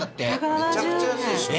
めちゃくちゃ安いでしょ。